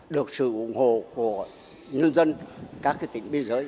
được sự ủng hộ của nhân dân các tỉnh biên giới